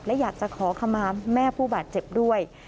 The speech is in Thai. และอยากจะขอขมาแม่ผู้บาดเจ็บด้วย